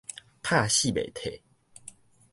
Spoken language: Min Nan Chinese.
拍死袂退